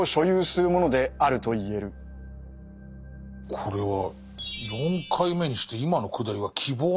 これは４回目にして今のくだりは希望なのか？